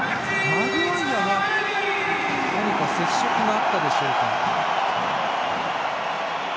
マグワイアが何か接触があったでしょうか。